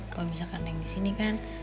kalau misalkan yang di sini kan